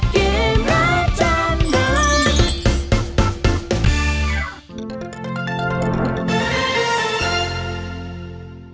ใจเย็น